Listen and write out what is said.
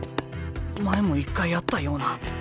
前も一回あったような。